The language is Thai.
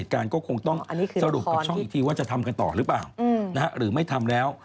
การก็คงต้องสรุปกับช่องอีกทีว่าจะทำกันต่อหรือเปล่าหรือไม่ทำแล้ว